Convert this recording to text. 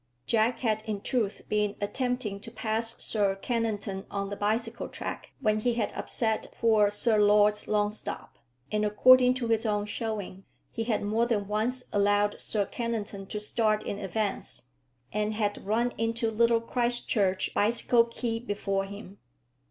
Jack had in truth been attempting to pass Sir Kennington on the bicycle track when he had upset poor Sir Lords Longstop; and, according to his own showing, he had more than once allowed Sir Kennington to start in advance, and had run into Little Christchurch bicycle quay before him.